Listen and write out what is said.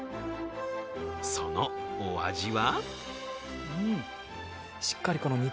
そのお味は？